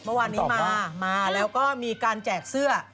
เมื่อวานนี้มามาแล้วก็มีการแจกเสื้อ